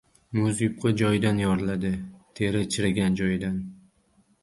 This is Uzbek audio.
• Muz yupqa joyidan yoriladi, teri ― chirigan joyidan.